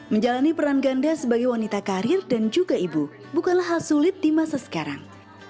menjalani peran ganda sebagai wanita karir dan juga ibu bukanlah hal sulit di masa sekarang